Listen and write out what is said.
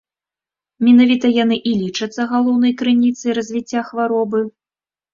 Менавіта яны і лічацца галоўнай крыніцай развіцця хваробы.